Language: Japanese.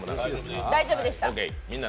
大丈夫でした。